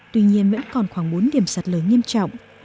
tuy nhiên vẫn còn khoảng bốn điểm sạt lở nghiêm trọng